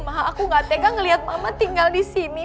mahal aku gak tega ngeliat mama tinggal di sini